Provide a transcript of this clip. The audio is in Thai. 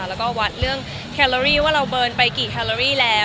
แล้วก็วัดเรื่องแคลอรี่ว่าเราเบิร์นไปกี่แคลอรี่แล้ว